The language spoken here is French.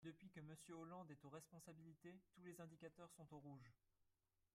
Depuis que Monsieur Hollande est aux responsabilités, tous les indicateurs sont au rouge.